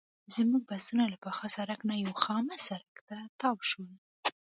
زموږ بسونه له پاخه سړک نه یوه خامه سړک ته تاو شول.